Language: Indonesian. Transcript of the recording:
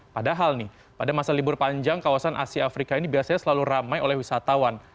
padahal nih pada masa libur panjang kawasan asia afrika ini biasanya selalu ramai oleh wisatawan